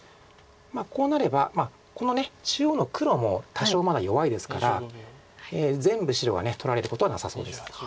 こうなればこの中央の黒も多少まだ弱いですから全部白が取られることはなさそうです。